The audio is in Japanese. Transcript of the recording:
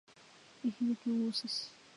愛媛県大洲市